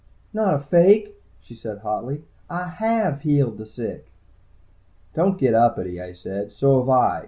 "Not a fake!" she said hotly. "I have healed the sick!" "Don't get uppity," I said. "So have I.